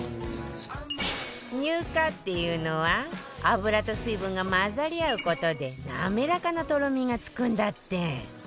乳化っていうのは油と水分が混ざり合う事で滑らかなとろみがつくんだって